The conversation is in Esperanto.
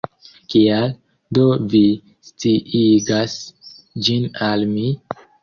Kial, do, vi sciigas ĝin al mi?